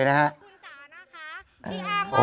พระมหาพรรณเปิดดูกันสิกันสิกันนิดนึง